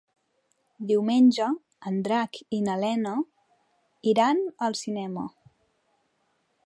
Diumenge en Drac i na Lena iran al cinema.